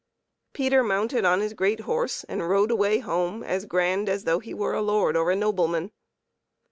Peter mounted on his great horse and rode away home, as grand as though he were a lord or a nobleman.